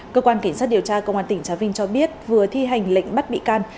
cơ quan kỳnh sát điều tra công an tp bôn ma thuột cho biết vừa thi hành lệnh bắt bị can